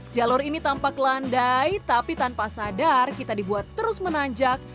jalur ini tampak landai tapi tanpa sadar kita dibuat terus menanjak